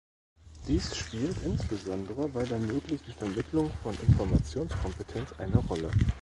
Dies spielt insbesondere bei der möglichen Vermittlung von Informationskompetenz eine Rolle.